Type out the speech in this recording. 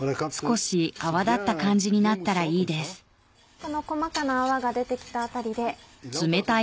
この細かな泡が出て来たあたりで。